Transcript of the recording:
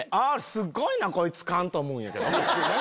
すごいなこいつ勘！と思うんやけど。